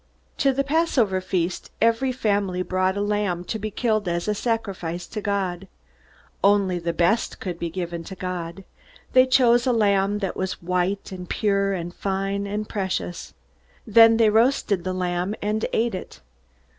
To the Passover feast every family brought a lamb to be killed as a sacrifice to God. Only the best could be given to God. They chose a lamb that was white, and pure, and fine, and precious. Then they roasted the lamb, and ate it.